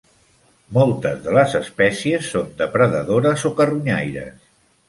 Moltes de les espècies són depredadores o carronyaires.